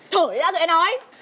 thở đi đã rồi em nói